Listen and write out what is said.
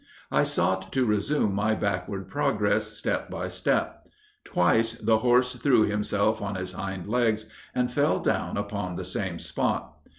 I sought to resume my backward progress, step by step. Twice the horse threw himself on his hind legs, and fell down upon the same spot.